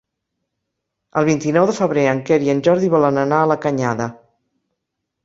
El vint-i-nou de febrer en Quer i en Jordi volen anar a la Canyada.